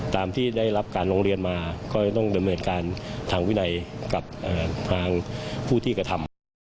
ตามที่ได้รับการร้องเรียนมาก็จะต้องดำเนินการทางวินัยกับทางผู้ที่กระทำ